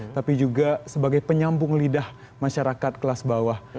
tapi juga sebagai penyambung lidah masyarakat kelas bawah